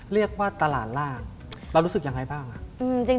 เรียกว่าตลาดล่าเรารู้สึกยังไงบ้างครับ